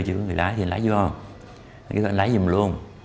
chứ có người lái thì anh lái chưa